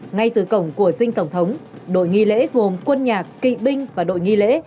ngay từ cổng của dinh tổng thống đội nghi lễ gồm quân nhạc kỵ binh và đội nghi lễ